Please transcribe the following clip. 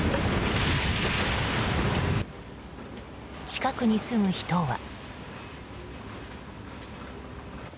近くに住む人は。